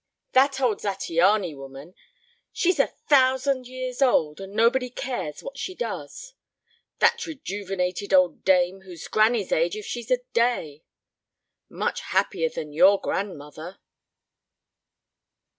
"That old Zattiany woman." "She's a thousand years old and nobody cares what she does." "That rejuvenated old dame who's granny's age if she's a day." "Much happier than your grandmother."